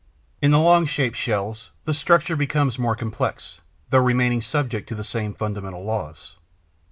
In the long shaped shells, the structure becomes more complex, though remaining subject to the same fundamental laws.